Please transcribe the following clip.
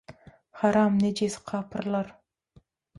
Haram nejis kapyrlar...